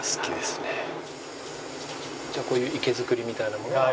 じゃあこういう活け造りみたいなものは。